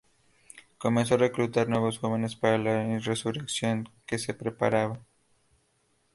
Comenzó a reclutar nuevos jóvenes para la insurrección que se preparaba.